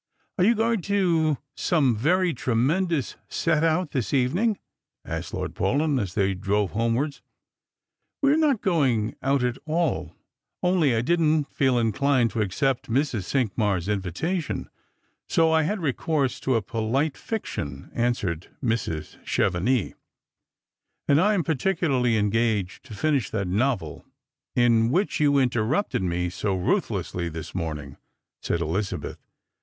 " Are you going to some very tremendous set out this even ing P " asked Lord Paulyn as they drove homewards. " We are not going out at all, only I didn't feel inclined to accept Mrs. Cinqmars' invitation, so I had recourse to a poHte fiction," answered Mrs. Chevenix. "And I am particularly engaged to finish that novel in whica you interrupted me so ruthlessly this morning," said Elizabeth.